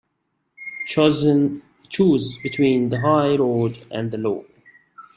Choose between the high road and the low.